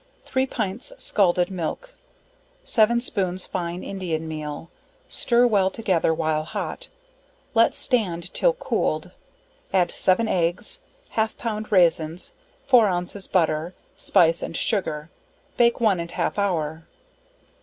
3 pints scalded milk, 7 spoons fine Indian meal, stir well together while hot, let stand till cooled; add 7 eggs, half pound raisins, 4 ounces butter, spice and sugar, bake one and half hour.